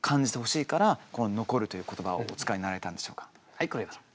はい黒岩さん。